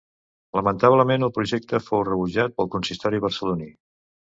Lamentablement, el projecte fou rebutjat pel consistori barceloní.